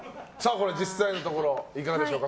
実際のところいかがでしょうか？